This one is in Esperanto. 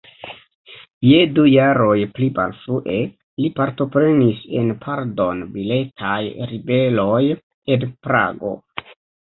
Je du jaroj pli malfrue li partoprenis en pardon-biletaj ribeloj en Prago.